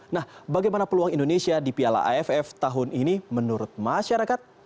nah bagaimana peluang indonesia di piala aff tahun ini menurut masyarakat